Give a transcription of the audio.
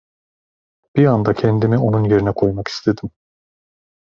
Bir anda kendimi onun yerine koymak istedim.